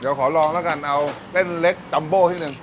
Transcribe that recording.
เดี๋ยวขอลองแล้วกันเอาเส้นเล็กจัมโบที่หนึ่ง